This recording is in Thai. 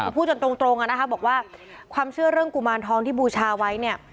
คือพูดจนตรงนะคะบอกว่าความเชื่อเรื่องกุมารทองที่บูชาไว้เนี่ย